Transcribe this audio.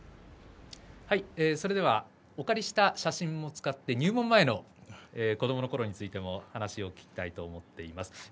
お借りした写真を使って入門前の子どものころについても話を聞きたいと思っています。